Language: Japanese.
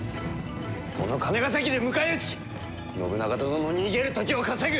この金ヶ崎で迎え撃ち信長殿の逃げる時を稼ぐ！